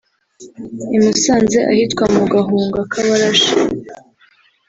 i Musanze ahitwa mu Gahunga k’abarashi